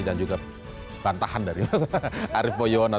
dan juga bantahan dari arief boyoono